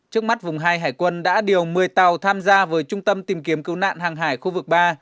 trước mắt vùng hai hải quân đã điều một mươi tàu tham gia với trung tâm tìm kiếm cứu nạn hàng hải khu vực ba